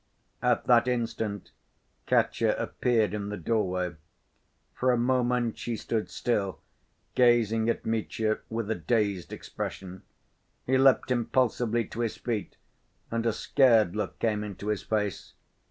At that instant Katya appeared in the doorway. For a moment she stood still, gazing at Mitya with a dazed expression. He leapt impulsively to his feet, and a scared look came into his face.